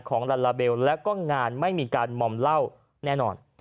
ของระลาเบแล้วก็งานไม่มีการมอมเล่าแน่นอน